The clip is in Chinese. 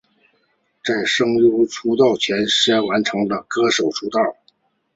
在声优出道前先完成了歌手出道。